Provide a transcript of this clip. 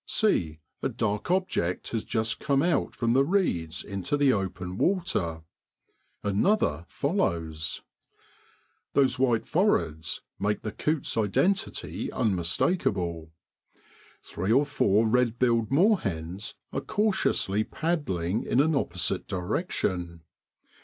See ! a dark object has just come out from the reeds into the open water; another follows. Those white foreheads make the coots' identity unmistakeable. Three or four red billed moorhens are cautiously paddling in an opposite direction.